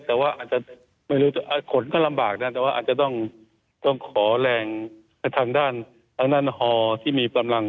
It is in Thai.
แต่ว่าอาจจะไม่รู้ขนก็ลำบากนะแต่ว่าอาจจะต้องขอแรงทางด้านทางด้านฮอที่มีกำลัง